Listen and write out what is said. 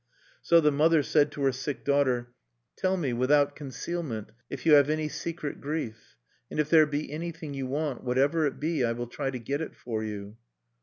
So the mother said to her sick daughter "Tell me, without concealment, if you have any secret grief; and if there be anything you want, whatever it be, I will try to get it for you."